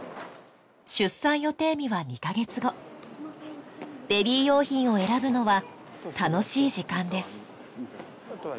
出産予定日は２カ月後ベビー用品を選ぶのは楽しい時間です